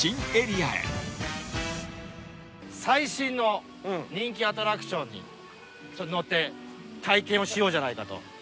最新の人気アトラクションにちょっと乗って体験をしようじゃないかと。